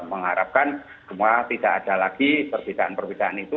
mengharapkan semua tidak ada lagi perbedaan perbedaan itu